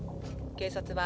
警察は。